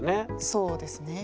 そうですね。